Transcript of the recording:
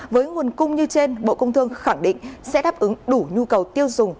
với nguồn cung như trên bộ công thương khẳng định sẽ đáp ứng đủ nhu cầu tiêu dùng